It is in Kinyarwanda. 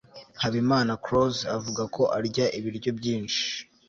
habimana close avuga ko arya ibiryo byinshi